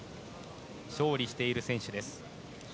勝利している選手です。